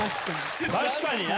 確かにな！